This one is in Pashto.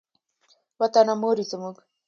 وطنه مور یې زموږ.